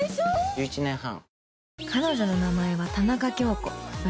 １１年半。